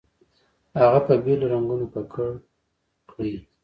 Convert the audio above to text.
هغه په بېلو رنګونو ککړ کړئ.